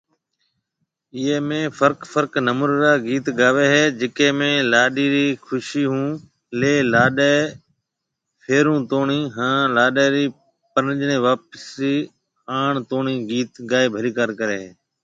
ايئي ۾ فرق فرق نموني را گيت گاوي هي، جڪي ۾ لاڏي ري خوشي هون لي لاڏي ڦيرون توڻي هان لاڏي ري پرڻجي واپس آڻ توڻي گيت گائي ڀليڪار ڪري هي